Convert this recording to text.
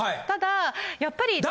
ただやっぱり。